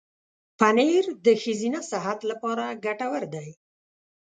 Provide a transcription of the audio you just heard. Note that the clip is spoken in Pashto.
پنېر د ښځینه صحت لپاره ګټور دی.